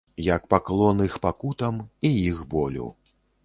Як паклон іх пакутам і іх болю.